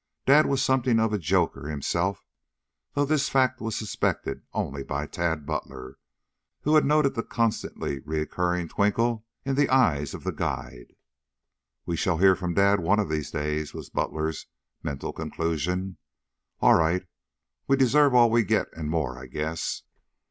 Dad was something of a joker himself, though this fact was suspected only by Tad Butler, who had noted the constantly recurring twinkle in the eyes of the guide. "We shall hear from Dad one of these days," was Butler's mental conclusion. "All right, we deserve all we get and more, I guess."